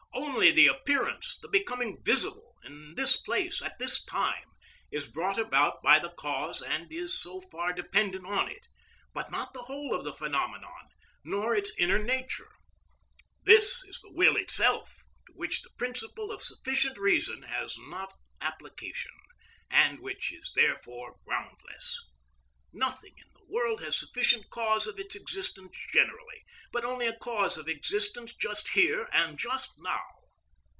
Only the appearance, the becoming visible, in this place, at this time, is brought about by the cause and is so far dependent on it, but not the whole of the phenomenon, nor its inner nature. This is the will itself, to which the principle of sufficient reason has not application, and which is therefore groundless. Nothing in the world has a sufficient cause of its existence generally, but only a cause of existence just here and just now.